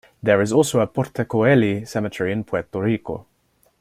There is also a Porta Coeli cemetery in Puerto Rico.